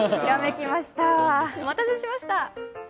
お待たせしました。